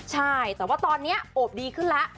ใช่แต่ว่าตอนนี้โอบดีขึ้นแล้ว